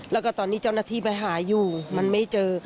แล้วก็ตอนนี้เจ้าหน้าที่ไปหาอยู่มันไม่เจอ